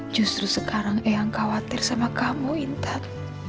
justru sekarang eyang khawatir sama kamu inter